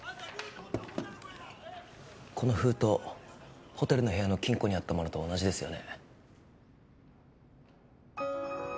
この封筒ホテルの部屋の金庫にあったものと同じですよね